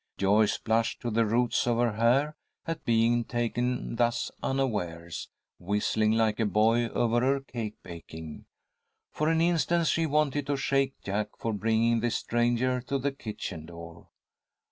Joyce blushed to the roots of her hair, at being taken thus unawares, whistling like a boy over her cake baking. For an instant she wanted to shake Jack for bringing this stranger to the kitchen door.